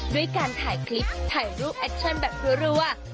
ด้วยการถ่ายคลิปถ่ายรูปแอคชั่นแบบรัว